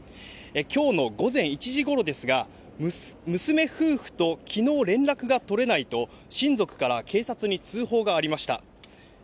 きょうの午前１時ごろですが、娘夫婦ときのう連絡が取れないと、親族から警察に通報がありました。